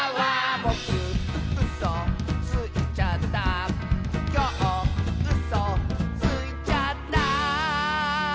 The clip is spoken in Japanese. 「ぼくうそついちゃった」「きょううそついちゃった」